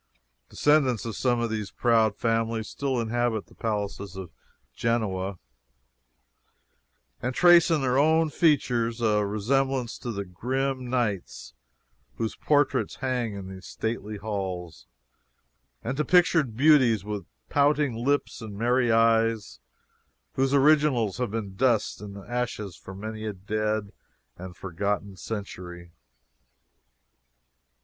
Descendants of some of those proud families still inhabit the palaces of Genoa, and trace in their own features a resemblance to the grim knights whose portraits hang in their stately halls, and to pictured beauties with pouting lips and merry eyes whose originals have been dust and ashes for many a dead and forgotten century.